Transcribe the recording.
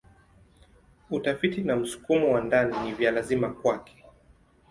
Utafiti na msukumo wa ndani ni vya lazima kwake.